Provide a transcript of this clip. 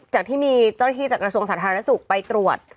จากที่มีเจ้าหน้าที่จากกระทรวงสาธารณสุขไปตรวจ